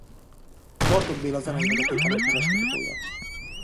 Bartók Béla zenei hagyatékának neves kutatója.